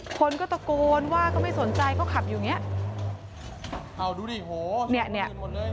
คนก็ตะโกนว่าก็ไม่สนใจก็ขับอยู่เนี้ย